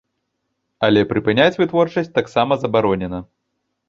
Але прыпыняць вытворчасць таксама забаронена.